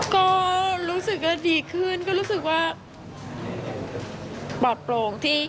ก็รู้สึกก็ดีขึ้นก็รู้สึกว่าปลอดโปร่งที่